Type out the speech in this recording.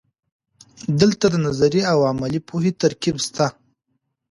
دلته د نظري او عملي پوهې ترکیب سته.